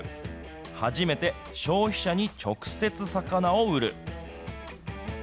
初めて消費者に直接、魚を売る。